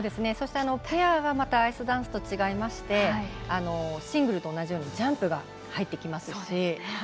そして、ペアはまたアイスダンスと違いましてシングルと同じようにジャンプが入ってきますし。